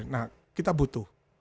nah kita butuh